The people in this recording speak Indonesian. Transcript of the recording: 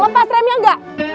lepas remnya gak